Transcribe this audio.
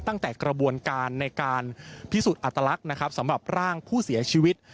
ตั้งแต่กระบวนการในการพิสูจน์อัตลักษณ์นะครับสำหรับร่างผู้เสียชีวิต